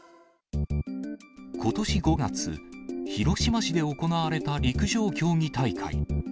ことし５月、広島市で行われた陸上競技大会。